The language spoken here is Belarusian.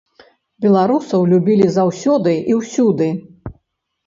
Беларусаў любілі заўсёды і ўсюды.